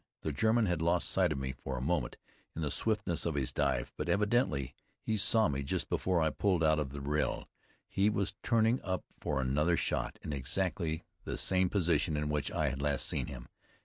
The German had lost sight of me for a moment in the swiftness of his dive, but evidently he saw me just before I pulled out of the vrille. He was turning up for another shot, in exactly the same position in which I had last seen him.